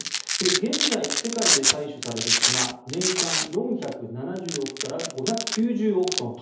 現在、世界で採取される砂年間４７０億から５９０億トンと。